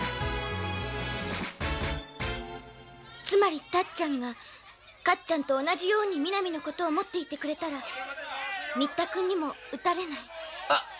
「つまりタッちゃんがカッちゃんと同じように南のことを思っていてくれたら新田君にも打たれない？」